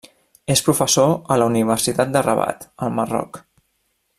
És professor a la Universitat de Rabat, al Marroc.